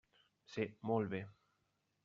Sí, molt bé.